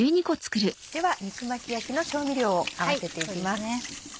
では肉巻き焼きの調味料を合わせていきます。